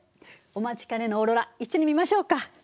お待ちかねのオーロラ一緒に見ましょうか。